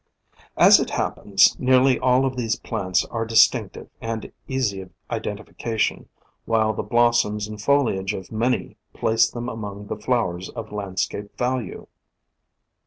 As it happens, nearly all of these plants are dis tinctive and easy of identification, while the blos soms and foliage of many place them among the flowers of landscape value.